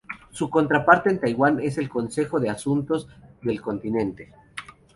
Su contraparte en Taiwán es el Consejo de asuntos del Continente.